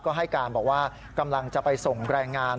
ก็ให้การบอกว่ากำลังจะไปส่งแรงงาน